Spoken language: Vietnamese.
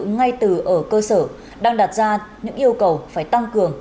ngay từ ở cơ sở đang đặt ra những yêu cầu phải tăng cường